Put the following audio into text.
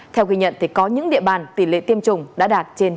theo ghi nhận có những địa bàn tỷ lệ tiêm chủng đã đạt trên chín mươi